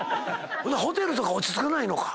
ホテルとか落ち着かないのか。